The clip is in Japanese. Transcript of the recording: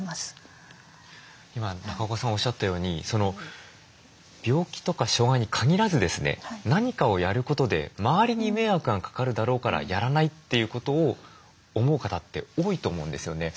今中岡さんがおっしゃったように病気とか障害に限らずですね何かをやることで周りに迷惑がかかるだろうからやらないということを思う方って多いと思うんですよね。